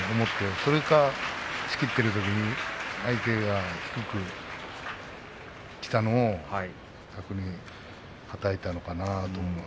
それが仕切っているときに相手が低くきたのを逆にはたいたのかなと。